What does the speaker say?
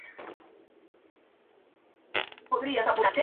Los A-Teens participaron en la creación del concepto del vídeo.